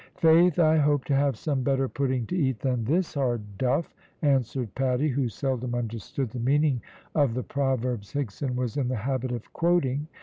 "Faith, I hope to have some better pudding to eat than this hard duff," answered Paddy, who seldom understood the meaning of the proverbs Higson was in the habit of quoting.